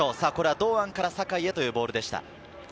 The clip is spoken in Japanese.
堂安から酒井へというボールでした。